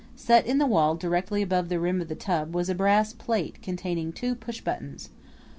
Set in the wall directly above the rim of the tub was a brass plate containing two pushbuttons.